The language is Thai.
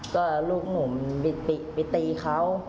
ก็ลูกหนูมันไปตีเขา